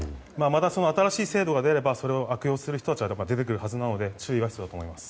また新しい制度が出ればそれを悪用する人たちは出てくるはずなので注意が必要だと思います。